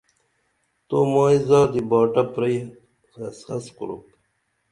تو مائی زادی باٹہ پرئی حس حس کُرُپ